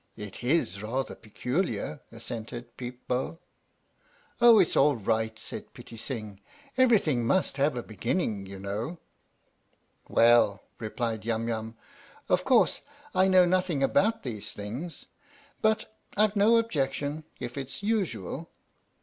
It is rather peculiar," assented Peep Bo. " Oh, it 's all right," said Pitti Sing. " Everything must have a beginning, you know." 36 THE STORY OF THE MIKADO "Well/' replied Yum Yum, "of course I know nothing about these things, but I've no objection if it's usual."